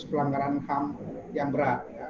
pelanggaran ham yang berat